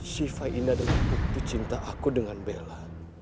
shiva ini adalah bukti cinta aku dengan bella